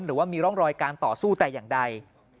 หรือว่ามีร่องรอยการต่อสู้แต่อย่างใด